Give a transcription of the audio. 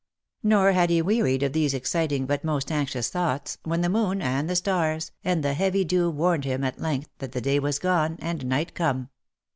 Nor had he wearied of these exciting, but most anxious thoughts, when the moon, and the stars, and the heavy dew warned him at length that the day was gone, and night come.